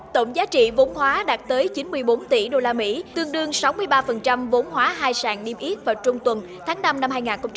tổng giá trị vốn hóa đạt tới chín mươi bốn tỷ usd tương đương sáu mươi ba vốn hóa hai sàn niêm yết vào trung tuần tháng năm năm hai nghìn hai mươi